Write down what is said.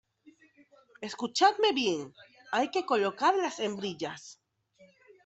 escuchadme bien, hay que colocar las hembrillas